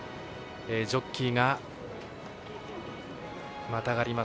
ジョッキーがまたがります。